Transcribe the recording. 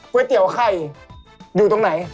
เตี๋ยวไข่อยู่ตรงไหน